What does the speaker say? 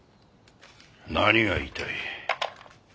何が言いたい？